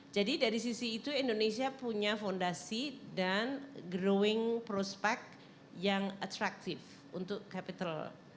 jadi dari sisi itu indonesia punya fondasi dan growing prospect yang attractive untuk capital